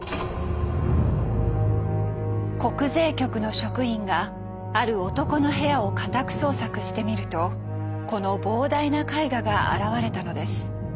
国税局の職員がある男の部屋を家宅捜索してみるとこの膨大な絵画が現れたのです。